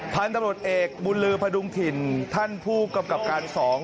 พานดำหนวดเอกบุญลือพระดุงถิ่นท่านผู้กำกรับการสอง